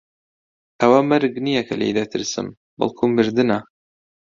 ئەوە مەرگ نییە کە لێی دەترسم، بەڵکوو مردنە.